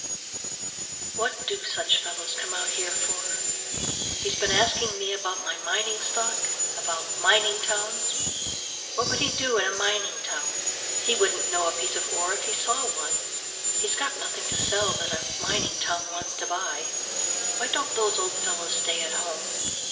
What do such fellows come out here for? He's been asking me about my mining stock, and about mining towns. What would he do in a mining town? He wouldn't know a piece of ore if he saw one. He's got nothing to sell that a mining town wants to buy. Why don't those old fellows stay at home?